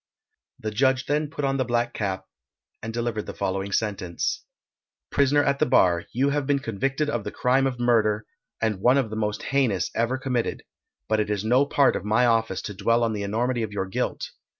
The judge then put on the black cap, and delivered the following sentence: Prisoner at the bar, you have been convicted of the crime of murder, and one of the most heinous ever committed, but it is no part of my office to dwell on the enormity of your guilt.